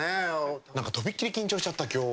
何か飛びっ切り緊張しちゃった今日。